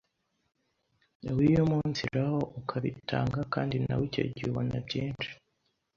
wiumunsiraho ukabitanga kandi nawe icyo gihe ubona byinshi